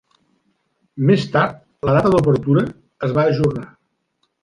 Més tard, la data d'obertura es va ajornar.